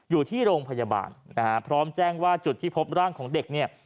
อยู่ที่โรงพยาบาลนะฮะพร้อมแจ้งว่าจุดที่พบร่างของเด็กเนี่ย